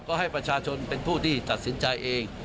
ก็ให้ประชาชนเป็นผู้ที่ตัดสินใจเอง